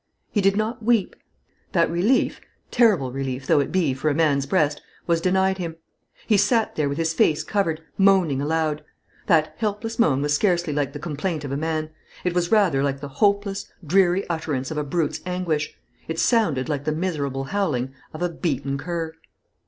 He did not weep. That relief terrible relief though it be for a man's breast was denied him. He sat there with his face covered, moaning aloud. That helpless moan was scarcely like the complaint of a man; it was rather like the hopeless, dreary utterance of a brute's anguish; it sounded like the miserable howling of a beaten cur.